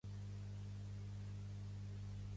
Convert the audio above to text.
Tenir molta merda a la catifa del dormitori